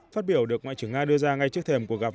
phát biểu được ngoại trưởng nga đưa ra ngay trước thềm cuộc gặp